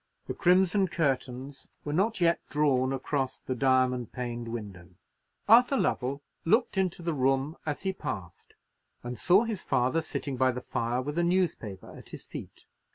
The crimson curtains were not yet drawn across the diamond paned window. Arthur Lovell looked into the room as he passed, and saw his father sitting by the fire, with a newspaper at his feet.